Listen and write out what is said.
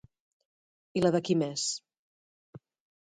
I la de qui més?